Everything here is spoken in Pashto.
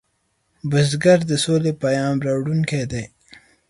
بزګر د سولې پیام راوړونکی دی